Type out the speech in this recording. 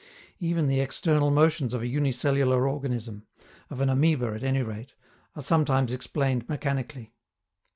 Even the external motions of a unicellular organism of an amoeba, at any rate are sometimes explained mechanically.